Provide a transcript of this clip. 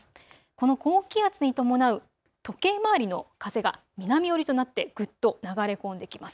この高気圧に伴う時計回りの風が南寄りとなってぐっと流れ込んできます。